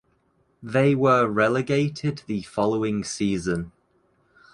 They were relegated the following season.